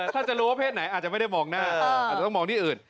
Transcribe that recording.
ถ้าจะรู้ว่าเพศไหนอาจจะไม่ได้มองหน้าอาจจะต้องมองที่อื่น